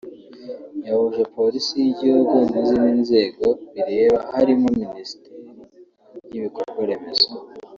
yahuje Polisi y’Igihugu n’izindi nzego bireba harimo Minisiteri y’Ibikorwa Remezo